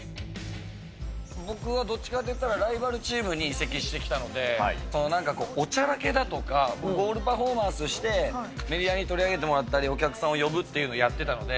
僕はどっちかといったら、ライバルチームに移籍してきたので、なんかこう、おちゃらけだとか、ゴールパフォーマンスしてメディアに取り上げてもらったり、お客さんを呼ぶっていうのを、やってたので、